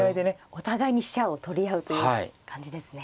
お互いに飛車を取り合うという感じですね。